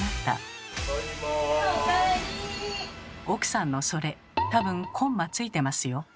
奥さんのそれ多分コンマついてますよ。